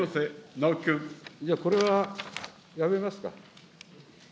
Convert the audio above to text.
じゃあこれはやめますか。